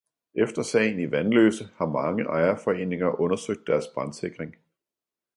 Efter sagen i Vanløse har mange ejerforeninger undersøgt deres brandsikring.